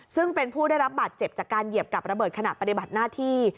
ซึ่งเป็นผู้ได้รับบาดเจ็บจากการเหยียบกับระเบิดขณะปฏิบัติหน้าที่